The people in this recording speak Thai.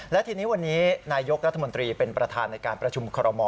และทีนี้วันนี้นายกรัฐมนตรีเป็นประธานในการประชุมคอรมอ